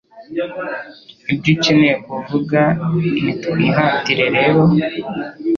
ibyo ukeneye kuvuga Nitwihatire rero